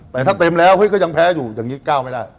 แต่ถ้าเต็มแล้วก็ยังแพ้อยู่อย่างนี้ก้าวไม่ได้